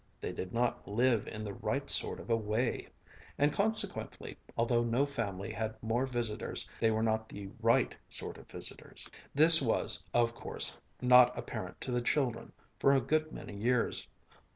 They did not live in the right sort of a way. And consequently, although no family had more visitors, they were not the right sort of visitors. This was, of course, not apparent to the children for a good many years.